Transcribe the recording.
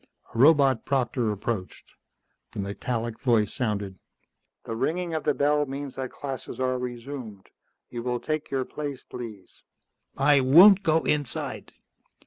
A robot proctor approached. The metallic voice sounded. "The ringing of the bell means that classes are resumed. You will take your place, please." "I won't go inside."